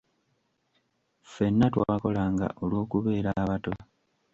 Fenna twakolanga olw'okubeera abatono.